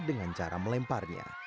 dengan cara melemparnya